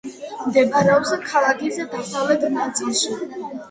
მდებარეობს ქალაქის დასავლეთ ნაწილში.